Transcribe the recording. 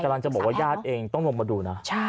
กำลังจะบอกว่าญาติเองต้องลงมาดูนะ